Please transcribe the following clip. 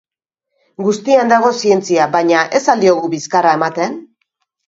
Guztian dago zientzia, baina ez al diogu bizkarra ematen?